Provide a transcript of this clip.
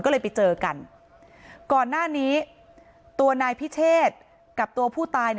ก็เลยไปเจอกันก่อนหน้านี้ตัวนายพิเชษกับตัวผู้ตาย